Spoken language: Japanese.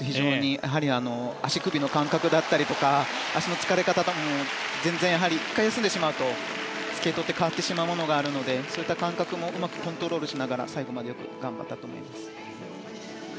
やはり、足首の感覚だったりとか足の疲れ方が１回休んでしまうとスケートって変わってしまうものがあるのでそういった感覚もうまくコントロールしながら最後までよく頑張ったと思います。